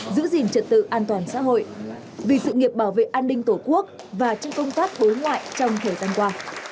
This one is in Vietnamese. giữ gìn trật tự an toàn xã hội vì sự nghiệp bảo vệ an ninh tổ quốc và trong công tác đối ngoại trong thời gian qua